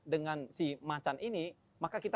dengan si macan ini maka kita